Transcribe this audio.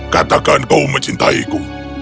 katakan kau mencintaiku